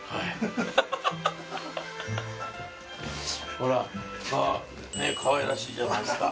ほらかわいらしいじゃないですか。